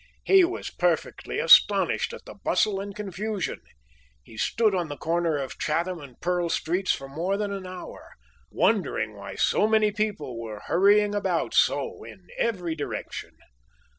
He was perfectly astonished at the bustle and confusion. He stood on the corner of Chatham and Pearl Streets for more than an hour, wondering why so many people were hurrying about so in every direction.